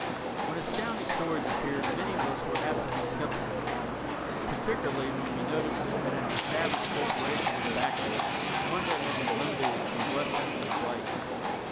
When Astounding Stories appeared many of us were apt to be skeptical, particularly when we noticed that an established corporation was backing it, one that had been limited to westerns and the like.